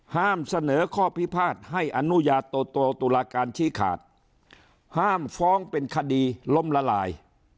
ห้ามเสนอข้อพิพาทให้อนุญาโตตุลาการชี้ขาดห้ามฟ้องเป็นคดีล้มละลาย